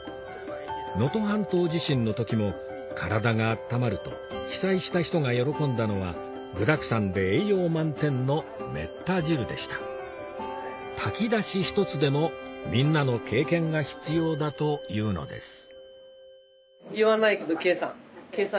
能登半島地震の時も「体が温まる」と被災した人が喜んだのは具だくさんで栄養満点のめった汁でした炊き出しひとつでもみんなの経験が必要だというのです言わないけど計算計算よ。